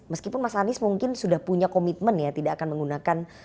meskipun mas anies mungkin sudah punya komitmen ya tidak akan menggunakan